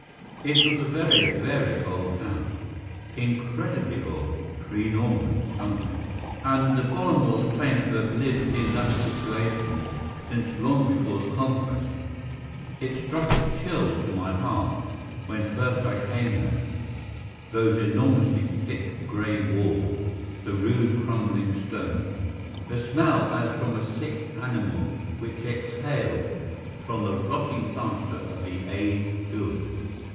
It was a very, very old house, incredibly old—pre Norman, some of it—and the Bollamores claimed to have lived in that situation since long before the Conquest. It struck a chill to my heart when first I came there, those enormously thick grey walls, the rude crumbling stones, the smell as from a sick animal which exhaled from the rotting plaster of the aged building.